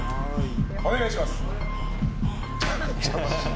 お願いします。